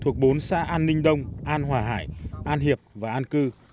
thuộc bốn xã an ninh đông an hòa hải an hiệp và an cư